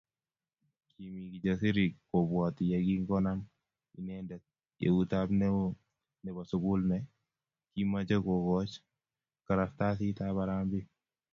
Kimi Kijasiri kobwati yekingonam inendet eutab neo nebo sukul ne kimoche kokoch kartasitab harambee